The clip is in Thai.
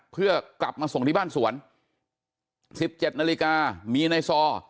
เพื่อกลับมาส่งที่บ้านสวน๑๗นาฬิกามีในซอ